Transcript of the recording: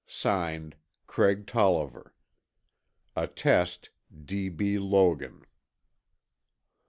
(Signed) CRAIG TOLLIVER. Attest: D. B. Logan.